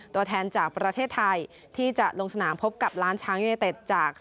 ตัวแทนจากประเทศไทยที่จะลงสนามพบกับล้านช้างยูเนเต็ดจาก